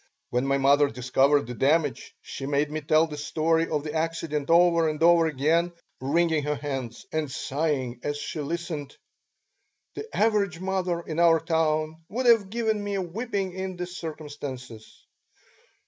When my mother discovered the damage she made me tell the story of the accident over and over again, wringing her hands and sighing as she listened. The average mother in our town would have given me a whipping in the circumstances.